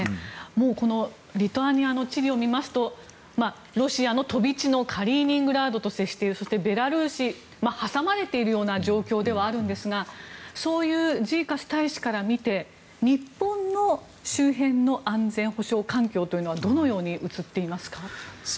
もうこのリトアニアの地理を見ますと、ロシアの飛び地のカリーニングラードと接しているそして、ベラルーシに挟まれているような状況ではあるんですがジーカス大使から見て日本の周辺の安全保障環境というのはどのように映っていますか。